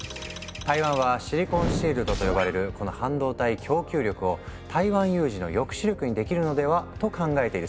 台湾は「シリコンシールド」と呼ばれるこの半導体供給力を台湾有事の抑止力にできるのではと考えているそうなんだ。